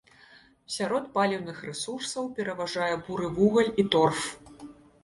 Сярод паліўных рэсурсаў пераважае буры вугаль і торф.